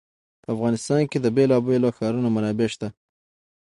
په افغانستان کې د بېلابېلو ښارونو منابع شته.